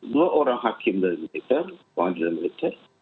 dua orang hakim dari militer pengadilan militer